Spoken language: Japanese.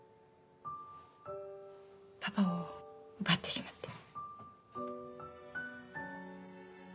パパを奪ってしまって。